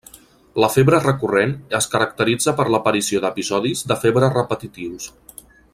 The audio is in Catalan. La febre recurrent es caracteritza per l'aparició d'episodis de febre repetitius.